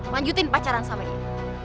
lanjutin pacaran sama dia